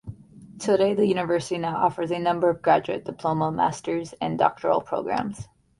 Today the University now offers a number of graduate diploma, master's, and doctoral programs.